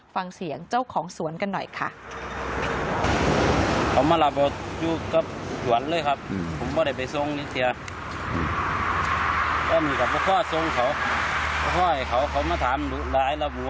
ฟังเสียงเจ้าของสวนกันหน่อยค่ะ